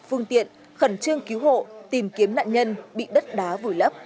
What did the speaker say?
phương tiện khẩn trương cứu hộ tìm kiếm nạn nhân bị đất đá vùi lấp